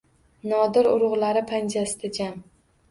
Nodir urug‘lari panjasida jam.